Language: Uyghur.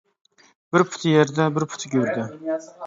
بىر پۇتى يەردە، بىر پۇتى گۆردە.